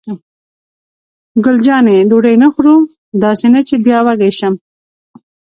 ګل جانې: ډوډۍ نه خورو؟ داسې نه چې بیا وږې شم.